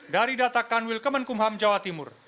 dari data kanwil kemenkumham jawa timur